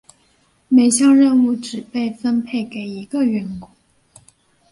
每项任务只被分配给一个员工。